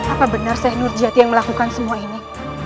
apa benar syeh nurjati yang melakukan semua ini